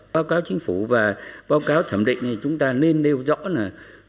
báo cáo chính phủ và báo cáo thẩm định thì chúng ta nên đeo rõ là